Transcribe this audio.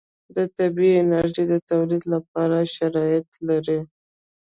د طبعي انرژي د تولید لپاره شرایط لري.